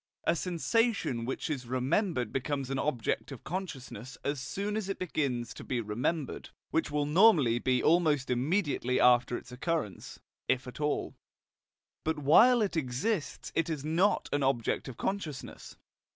A sensation which is remembered becomes an object of consciousness as soon as it begins to be remembered, which will normally be almost immediately after its occurrence (if at all); but while it exists it is not an object of consciousness.